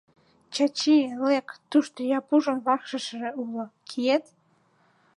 Чачи, лек, тушто Япушын вакшышше уло, киет.